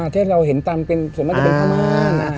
ที่เราเห็นตามเป็นส่วนมากจะเป็นพม่า